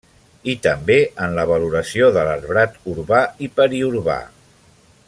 I també en la valoració de l'arbrat urbà i periurbà.